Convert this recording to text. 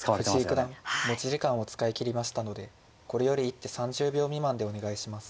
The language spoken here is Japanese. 藤井九段持ち時間を使い切りましたのでこれより一手３０秒未満でお願いします。